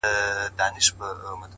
څونه ښکلی معلومېږي قاسم یاره زولنو کي,